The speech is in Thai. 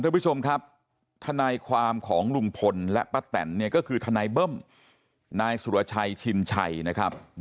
ทุกผู้ชมครับทนายความของลุงพลและป้าแตนเนี่ยก็คือทนายเบิ้มนายสุรชัยชินชัยนะครับ